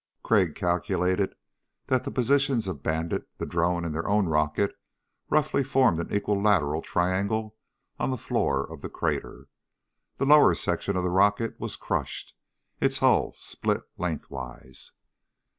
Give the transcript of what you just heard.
Crag calculated that the positions of Bandit, the drone and their own rocket roughly formed an equilateral triangle on the floor of the crater. The lower section of the rocket was crushed, its hull split lengthwise.